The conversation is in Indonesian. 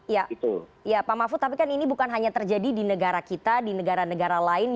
ya pak mahfud tapi kan ini bukan hanya terjadi di negara kita di negara negara lain